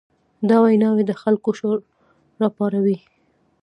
دا ویناوې د خلکو شور راپاروي.